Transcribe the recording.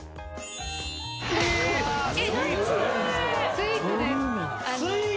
スイーツです。